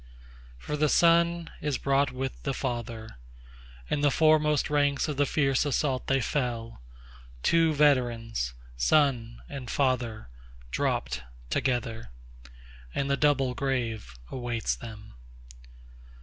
5For the son is brought with the father; In the foremost ranks of the fierce assault they fell; Two veterans, son and father, dropt together, And the double grave awaits them.